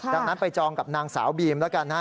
ดังนั้นไปจองกับนางสาวบีมแล้วกันฮะ